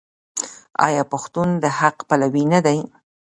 آیا پښتون د حق پلوی نه دی؟